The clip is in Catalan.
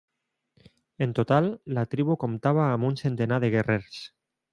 En total, la tribu comptava amb un centenar de guerrers.